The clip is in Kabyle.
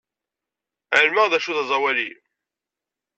Ɛelmeɣ d acu d aẓawali.